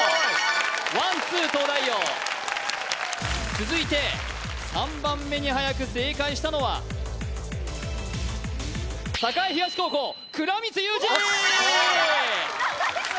ワンツー東大王続いて３番目にはやく正解したのは栄東高校倉光勇志よし！